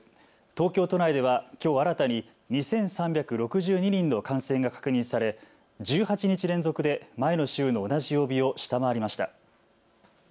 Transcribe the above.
東京都内ではきょう新たに２３６２人の感染が確認され１８日連続で前の週の同じ曜日を下回りました。